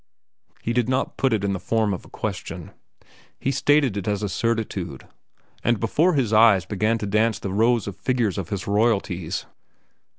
He did not put it in the form of a question. He stated it as a certitude, and before his eyes began to dance the rows of figures of his royalties.